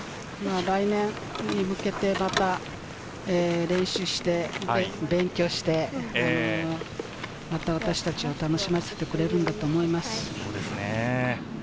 来年に向けて、練習して、勉強して、また私たちを楽しませてくれるのだと思います。